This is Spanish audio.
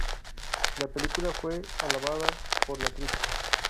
La película fue alabada por la crítica.